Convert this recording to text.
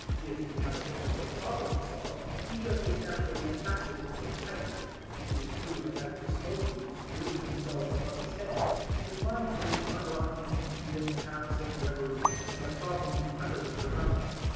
If he have a difficult problem to solve, he just as naturally attacks it over a pipe. It is true that as the smoke wreaths ring themselves above his head, his mind may wander off into devious paths of reverie, and the problem be utterly forgotten.